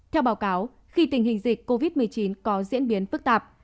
theo báo cáo khi tình hình dịch covid một mươi chín có diễn biến phức tạp